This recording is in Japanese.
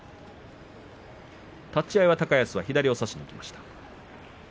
立ち合い高安左を差しにいきました。